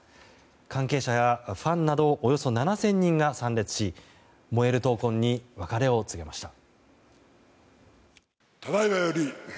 関係者やファンなどおよそ７０００人が参列し燃える闘魂に別れを告げました。